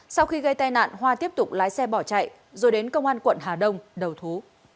sau khi gây tai nạn hoa tiếp tục lái xe bỏ chạy rồi đến công an quận hà đông đầu thú